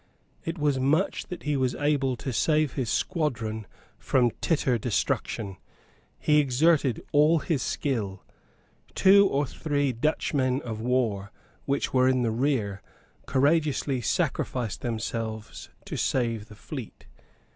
It was much that he was able to save his squadron from titter destruction. He exerted all his skill. Two or three Dutch men of war, which were in the rear, courageously sacrificed themselves to save the fleet.